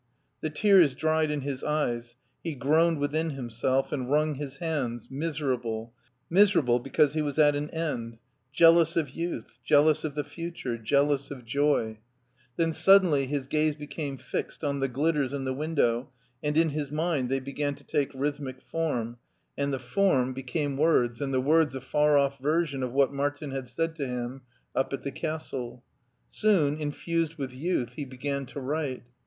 The tears dried in his eyes, he groaned within him self and wrung his hands, miserable, miserable because he was at an end, jealous of youth, j^lous of the future, jealous of joy. Then suddenly his gaze became fixed on the glitters in the window and in his mind they began to take rhythmic form, and the form became 36 MARTIN SCHtJLER words, and the words a far off version of what Martin had said to him up at the castle. Soon, infused with 3routh, he began to write.